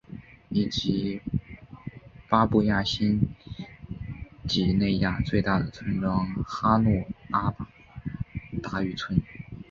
以及巴布亚新几内亚最大的村庄哈努阿巴达渔村。